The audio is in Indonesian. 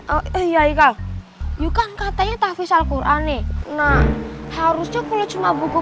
oh iya iya ika yuk katanya takfis al qur'ani nah harusnya kalau cuma buku